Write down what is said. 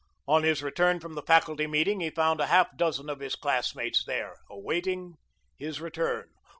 On his return from the faculty meeting he found a half dozen of his classmates there, awaiting his return.